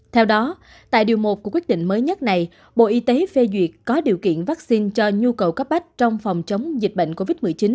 theo đó tại điều một của quyết định mới nhất này bộ y tế phê duyệt có điều kiện vaccine cho nhu cầu cấp bách trong phòng chống dịch bệnh covid một mươi chín